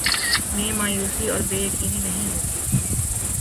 میں مایوسی اور بے یقینی نہیں ہوتی